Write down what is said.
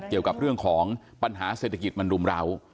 เกี่ยวกับเรื่องของปัญหาเศรษฐกิจมันรุมราว